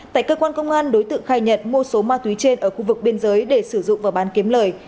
tại cơ quan công an đối tượng khai nhận mua số ma túy trên ở khu vực biên giới để sử dụng và bán kiếm lời